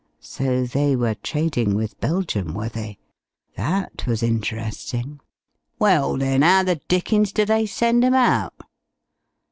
So they were trading with Belgium, were they? That was interesting. "Well, then, 'ow the dickens do they send 'em out?"